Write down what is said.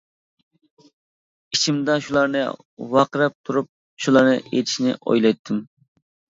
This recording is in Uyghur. ئىچىمدە شۇلارنى ۋارقىراپ تۇرۇپ شۇلارنى ئېيتىشنى ئويلايتتىم.